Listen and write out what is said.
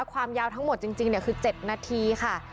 ความยาวทั้งหมดจริงคือ๗นาทีค่ะ